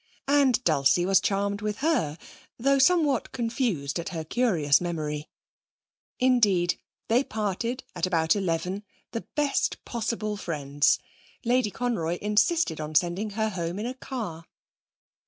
And Dulcie was charmed with her, though somewhat confused at her curious memory. Indeed, they parted at about eleven the best possible friends; Lady Conroy insisting on sending her home in her car.